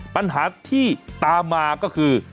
ปัญหาที่ตามมาก็คือ